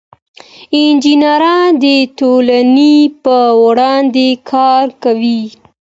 انجینران د ټولنې په وړاندې کار کوي.